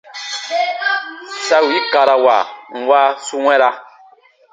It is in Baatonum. Sa wii karawa nwa su wɛ̃ra.